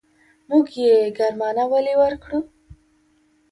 موږ يې ګرمانه ولې ورکړو.